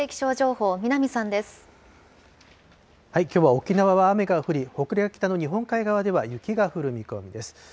きょうは沖縄は雨が降り、北陸から北の日本海側では、雪が降る見込みです。